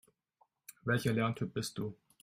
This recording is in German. Welcher Lerntyp bist du?